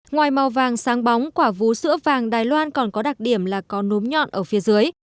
ngoài màu vàng sáng bóng quả vú sứa vàng đài loan còn có đặc điểm là có nốm nhọn ở phía dưới